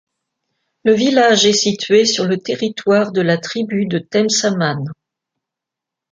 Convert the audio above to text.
Le village est situé sur le territoire de la tribu de Temsamane.